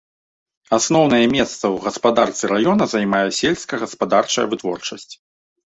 Асноўнае месца ў гаспадарцы раёна займае сельскагаспадарчая вытворчасць.